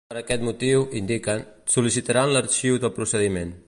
Per aquest motiu, indiquen, sol·licitaran l’arxiu del procediment.